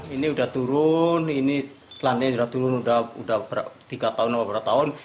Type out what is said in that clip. ini sudah turun ini lantai yang sudah turun sudah tiga tahun atau berapa tahun